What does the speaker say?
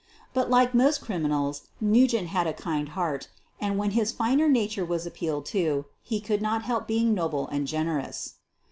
But, like most criminals, Nugent had a kind heart, and, when his finer nature was appealed to, he could not help being noble and generous.